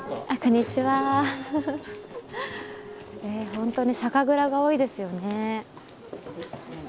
本当に酒蔵が多いですよね。